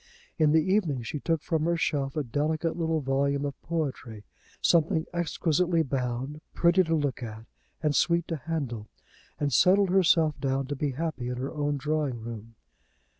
In the evening she took from her shelf a delicate little volume of poetry, something exquisitely bound, pretty to look at, and sweet to handle, and settled herself down to be happy in her own drawing room.